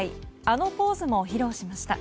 あのポーズも披露しました。